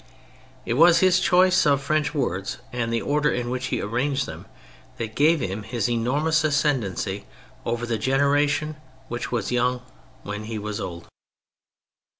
It was his choice of French words and the order in which he arranged them, that gave him his enormous ascendancy over the generation which was young when he was old.